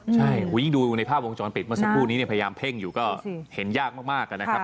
ใช่ยิ่งดูในภาพวงจรปิดเมื่อสักครู่นี้เนี่ยพยายามเพ่งอยู่ก็เห็นยากมากนะครับ